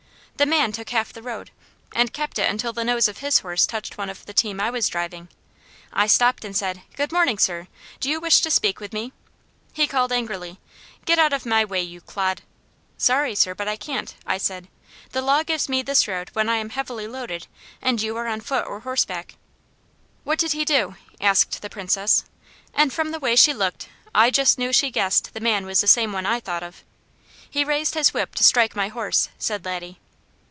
The man took half the road, and kept it until the nose of his horse touched one of the team I was driving. I stopped and said: 'Good morning, sir! Do you wish to speak with me?' He called angrily: 'Get out of my way, you clod!' 'Sorry sir, but I can't,' I said. 'The law gives me this road when I am heavily loaded, and you are on foot or horseback.'" "What did he do?" asked the Princess. And from the way she looked I just knew she guessed the man was the same one I thought of. "He raised his whip to strike my horse," said Laddie.